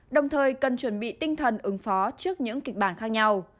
đồng thời cần chuẩn bị tinh thần ứng phó trước những kịch bản khác nhau